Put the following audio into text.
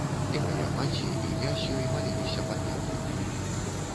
І мая маці, і я з ёй маліліся пад яблыняй.